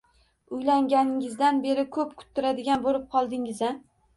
Uylanganingizdan beri ko`p kutdiradigan bo`lib qoldingiz-a